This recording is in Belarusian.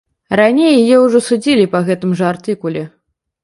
Раней яе ўжо судзілі па гэтым жа артыкуле.